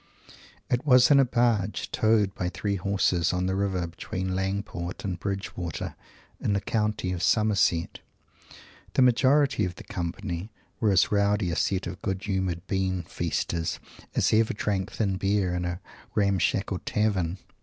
It was in a Barge, towed by three Horses, on the River, between Langport and Bridgewater, in the County of Somerset! The majority of the company were as rowdy a set of good humored Bean Feasters as ever drank thin beer in a ramshackle tavern.